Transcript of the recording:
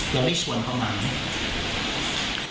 แล้วไม่ชวนเขามาไหม